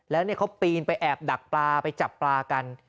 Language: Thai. แล้วเขาปีนไปแอบดักปลาไปจับปลากัน